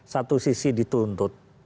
satu sisi dituntut